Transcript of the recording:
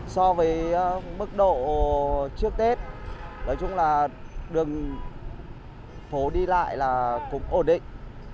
so với mức độ trước tết nói chung là đường phố đi lại là cũng ổn định